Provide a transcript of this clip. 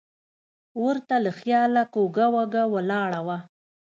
ور ته له خیاله کوږه وږه ولاړه وه.